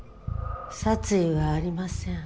殺意はありません。